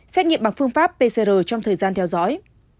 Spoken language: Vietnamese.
xét nghiệm bằng phương pháp pcr trong thời gian theo dõi